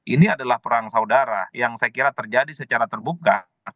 ini adalah perang saudara yang saya kira terjadi secara terbuka